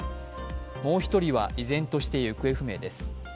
もう１人は依然として行方不明です。